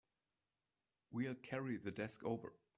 We'll carry the desk over.